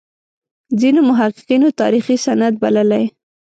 ځینو محققینو تاریخي سند بللی.